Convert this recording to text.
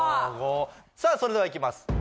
さあそれではいきます